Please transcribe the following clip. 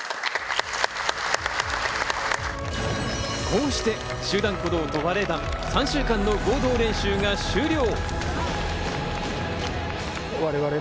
こうして集団行動・バレエ団、３週間の合同練習が終了。